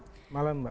selamat malam mbak